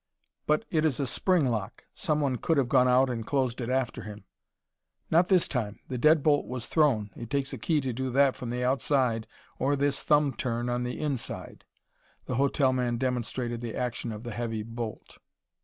"But it is a spring lock. Someone could have gone out and closed it after him." "Not this time. The dead bolt was thrown. It takes a key to do that from the outside or this thumb turn on the inside." The hotel man demonstrated the action of the heavy bolt.